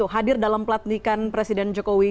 hadir dalam pelantikan presiden jokowi